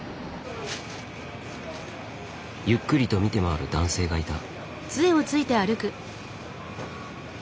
ゆっくりと見て回る男性がいた。